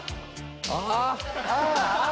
ああ！